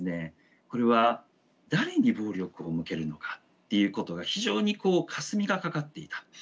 これは誰に暴力を向けるのかっていうことが非常にこうかすみがかかっていた。